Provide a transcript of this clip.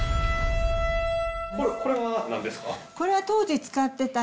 これは何ですか？